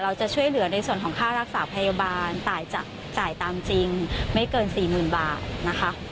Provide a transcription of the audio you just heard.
เราจะช่วยเหลือในส่วนของค่ารักษาพยาบาลจ่ายตามจริงไม่เกิน๔๐๐๐บาทนะคะ